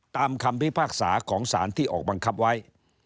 คำพิพากษาของสารที่ออกบังคับไว้